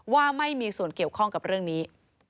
ว่าไม่มีส่วนเกี่ยวข้องกับเรื่องนี้